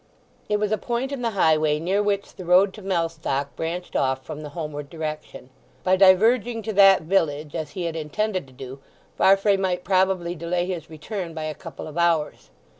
It was a point in the highway near which the road to Mellstock branched off from the homeward direction. By diverging to that village, as he had intended to do, Farfrae might probably delay his return by a couple of hours.